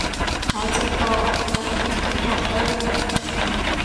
หจก.นาถะพินธุมอเตอร์